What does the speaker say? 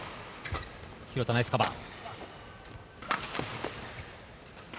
廣田、ナイスカバー。